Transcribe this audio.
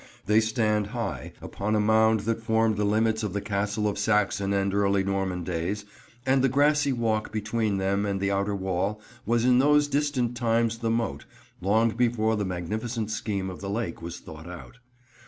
They stand high, upon a mound that formed the limits of the Castle of Saxon and early Norman days, and the grassy walk between them and the outer wall was in those distant times the moat, long before the magnificent scheme of the lake was thought out.